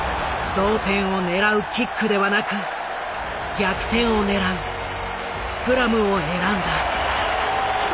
同点を狙うキックではなく逆転を狙うスクラムを選んだ。